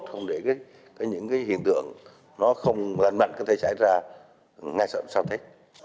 không để những cái hiện tượng nó không lành mạnh có thể xảy ra ngay sau đấy